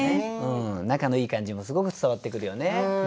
仲のいい感じもすごく伝わってくるよね。